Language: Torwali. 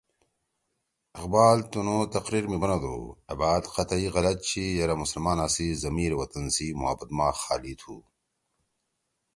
اقبال تنُو تقریر می بنَدُو: ”أ بات قطعی غلط چھی یرأ مسلمانا سی ضمیر وطن سی محبت ما خالی تُھو